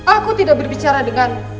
aku tidak berbicara denganmu